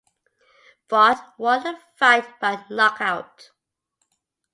Baute won the fight by knockout.